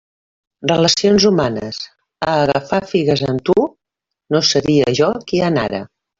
Relacions humanes A agafar figues amb tu, no seria jo qui anara.